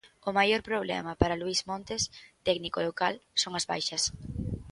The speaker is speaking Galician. O maior problema para Luís Montes, técnico local, son as baixas.